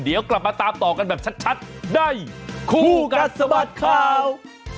เดี๋ยวกลับมาตามต่อกันแบบชัดในคู่กัดสะบัดข่าว